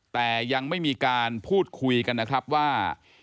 แต่ยังไม่มีการพูดคุยกันนะครับว่า